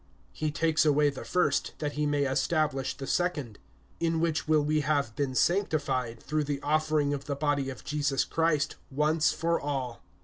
He takes away the first, that he may establish the second. (10)In which will we have been sanctified, through the offering of the body of Jesus Christ once for all.